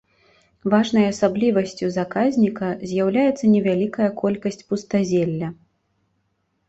Важнай асаблівасцю заказніка з'яўляецца невялікая колькасць пустазелля.